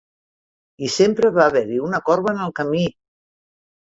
I sempre va haver-hi una corba en el camí!